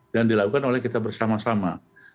dan dilakukan oleh kita bersama sama